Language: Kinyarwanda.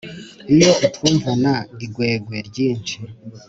Iyo utwumvana igwegwe ryinshi